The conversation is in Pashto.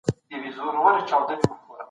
کندهاري چپلکې څنګه جوړېږي؟